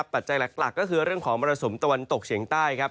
ปัจจัยหลักก็คือเรื่องของมรสุมตะวันตกเฉียงใต้ครับ